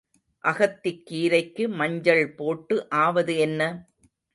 அகத்திக் கீரைக்கு மஞ்சள் போட்டு ஆவது என்ன?